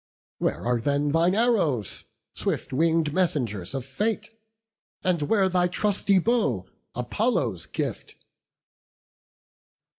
Where are then Thine arrows, swift wing'd messengers of fate, And where thy trusty bow, Apollo's gift?"